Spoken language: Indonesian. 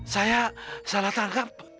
saya salah tangkap